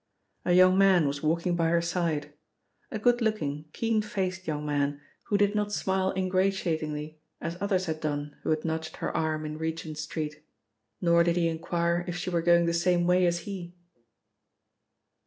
A young man was walking by her side, a good looking, keen faced young man who did not smile ingratiatingly as others had done who had nudged her arm in Regent Street, nor did he inquire if she were going the same way as he.